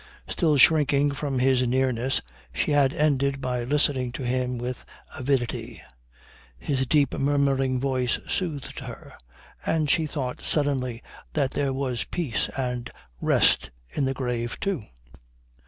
Still shrinking from his nearness she had ended by listening to him with avidity. His deep murmuring voice soothed her. And she thought suddenly that there was peace and rest in the grave too.